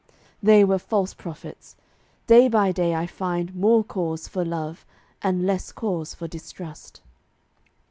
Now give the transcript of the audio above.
They were false prophets; day by day I find More cause for love, and less cause for distrust.